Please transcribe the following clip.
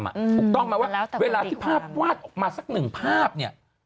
ถูกต้องไหมว่าเวลาที่ภาพวาดออกมาสักหนึ่งภาพเนี่ย